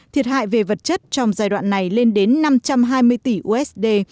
thiệt hại về vật chất trong giai đoạn này lên đến năm trăm hai mươi tỷ usd